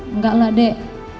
enggak lah dek